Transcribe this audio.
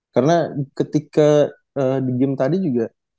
karena ketika di game tadi juga